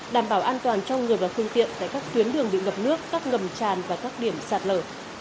đảm bảo an toàn cho người và phương tiện tại các tuyến đường bị ngập nước các ngầm tràn và các điểm sạt lở